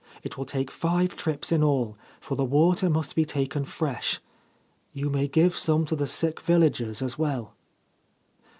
It will take five trips in all, for the water must be taken fresh. You may give some to the sick villagers as well.'